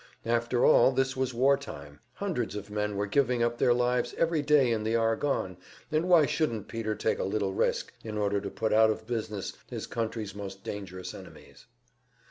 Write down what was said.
After all, this was war time; hundreds of men were giving up their lives every day in the Argonne, and why shouldn't Peter take a little risk in order to put out of business his country's most dangerous enemies?